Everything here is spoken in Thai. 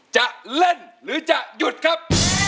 จะเล่นหรือจะหยุดครับ